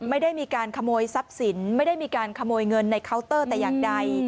ไม่ได้มีการขโมยทรัพย์สินไม่ได้มีการขโมยเงินในเคาน์เตอร์แต่อย่างใด